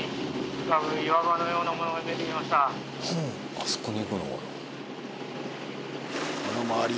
あそこに行くの？